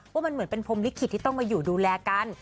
ว่ามันเหมือนเป็นพรมลิขิตที่ต้องมาอยู่ดูแลกัน